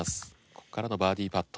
ここからのバーディパット。